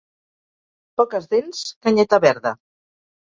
Poques dents, canyeta verda.